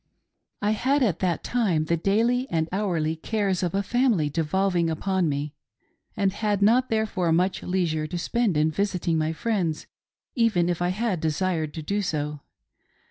I had at that time the daily and hourly cares of a family devolving upon me, and had not therefore much leisure tp spend in visiting my friends even if I had desired to do so.